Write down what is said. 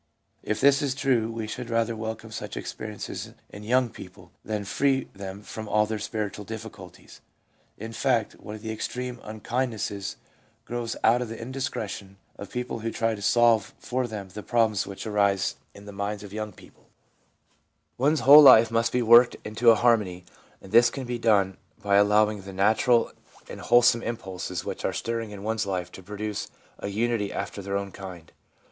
If this is true, we should rather welcome such experiences in young people than free them from all their spiritual difficulties. In fact, one of the extreme unkindnesses grows out of the indiscretion of people who try to solve for them the t problems ' which arise in the minds of young people. 264 THE PSYCHOLOGY OF RELIGION One's whole life must be worked into a harmony, and this can best be done by allowing the natural and whole some impulses which are stirring in one's life to produce a unity after their own kind.